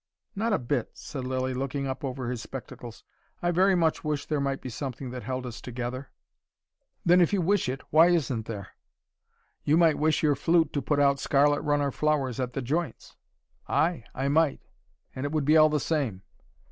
"Not a bit," said Lilly, looking up over his spectacles. "I very much wish there might be something that held us together." "Then if you wish it, why isn't there?" "You might wish your flute to put out scarlet runner flowers at the joints." "Ay I might. And it would be all the same."